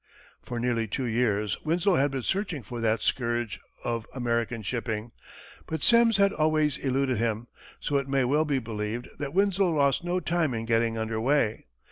For nearly two years, Winslow had been searching for that scourge of American shipping, but Semmes had always eluded him, so it may well be believed that Winslow lost no time in getting under way.